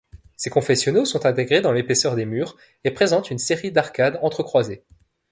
Ses confessionnaux sont intégrés dans l'épaisseur des murs et présentent une série d'arcades entrecroisées.